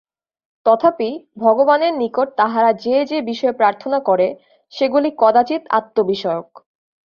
তথাপি ভগবানের নিকট তাহারা যে-যে বিষয়ে প্রার্থনা করে, সেগুলি কদাচিৎ আত্মবিষয়ক।